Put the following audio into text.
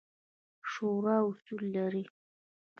شورا اصول لري